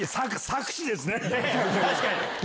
確かに！